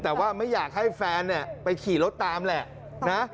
แต่ว่าไม่อยากให้แฟนเนี่ยไปขี่รถตามแหละนะ